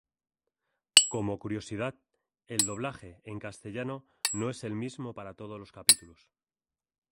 Como curiosidad, el doblaje en castellano no es el mismo para todos los capítulos.